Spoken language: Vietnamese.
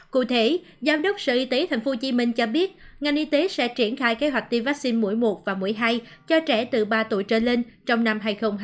cụ thể giám đốc sở y tế tp hcm cho biết ngành y tế sẽ triển khai kế hoạch tiêm vaccine mũi một và mũi hai cho trẻ từ ba tuổi trở lên trong năm hai nghìn hai mươi